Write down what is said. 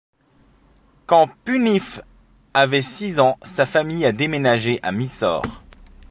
Quand Puneeth avait six ans, sa famille a déménagé à Mysore.